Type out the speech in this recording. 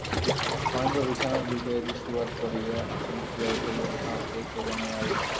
মহেন্দ্র বিছানার দিকে দৃষ্টিপাত করিয়া চমকিয়া উঠিল, তাহাকে কে যেন মারিল।